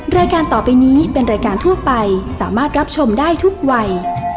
รายการต่อไปนี้เป็นรายการทั่วไปสามารถรับชมได้ทุกวัย